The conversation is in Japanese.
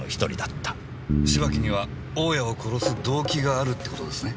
芝木には大家を殺す動機があるって事ですね？